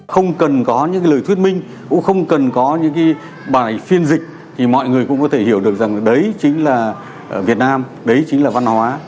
không cần có những lời thuyết minh cũng không cần có những bài phiên dịch thì mọi người cũng có thể hiểu được rằng đấy chính là việt nam đấy chính là văn hóa